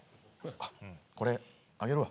あっこれあげるわ。